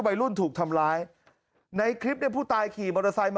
วัยรุ่นถูกทำลายในคลิปในผู้ตายขี่มอเตอร์ไซน์